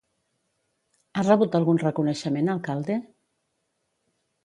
Ha rebut algun reconeixement Alcalde?